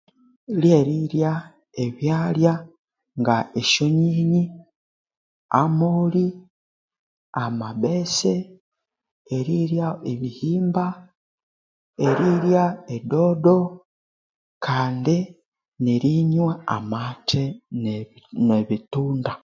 Lyerirya ebyalya ngesyonyinyi, amoli, amabese, erirya ebihimba, erirya edodo kandi nerinywa amathe nebitunda.